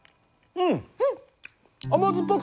うん！